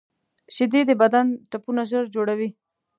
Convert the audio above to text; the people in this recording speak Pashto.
شیدې د بدن ټپونه ژر جوړوي